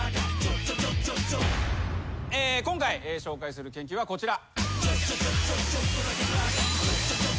今回紹介する研究はこちら。